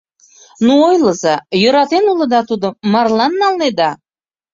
Ну, ойлыза, йӧратен улыда тудым, марлан налнеда?